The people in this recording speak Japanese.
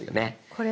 これ？